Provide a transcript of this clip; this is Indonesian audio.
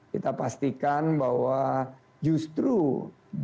kita pastikan bahwa justru